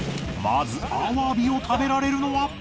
［まずアワビを食べられるのは］